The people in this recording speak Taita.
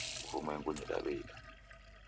W'urumwengunyi daw'eida